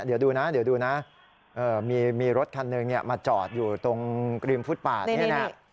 เดี๋ยวดูนะมีรถคันหนึ่งมาจอดอยู่ตรงกริมฟุตปาดนี่น่ะ